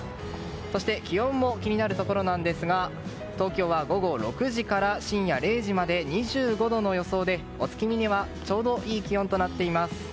そして気温も気になるところなんですが東京は午後６時から深夜０時まで２５度の予想で、お月見にはちょうどいい気温となっています。